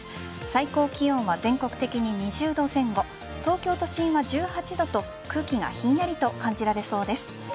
最高気温は全国的に２０度前後東京都心は１８度と空気がひんやりと感じられそうです。